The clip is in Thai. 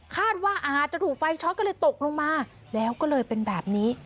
คาดว่าอาจจะถูกไฟช็อตก็เลยตกลงมาแล้วก็เลยเป็นแบบนี้